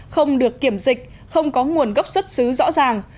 không được kiểm dịch không có nguồn gốc xuất xứ rõ ràng